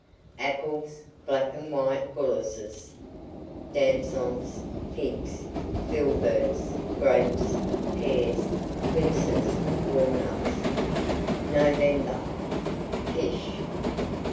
Apples, black and white bullaces, damsons, figs, filberts, grapes, pears, quinces, walnuts. NOVEMBER. FISH.